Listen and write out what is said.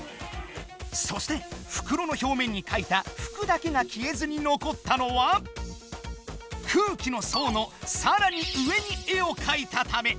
そしてふくろのひょうめんにかいた服だけが消えずに残ったのは空気のそうのさらに上に絵をかいたため。